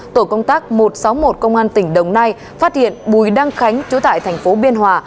tổ công tác một trăm sáu mươi một công an tp đồng nai phát hiện bùi đăng khánh chú tại tp biên hòa